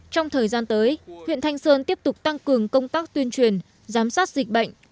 trong thời gian tới huyện thanh sơn tiếp tục tăng cường công tác tuyên truyền giám sát dịch bệnh